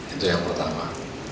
itu yang pertama